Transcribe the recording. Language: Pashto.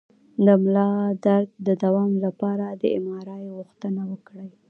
د ملا درد د دوام لپاره د ایم آر آی غوښتنه وکړئ